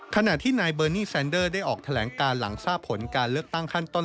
การเลือกปัญหาสี่กลางและช่วยเธอ